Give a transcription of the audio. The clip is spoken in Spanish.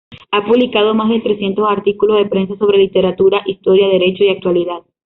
Ha publicado más de trescientos artículos de prensa sobre Literatura, Historia, Derecho y actualidad.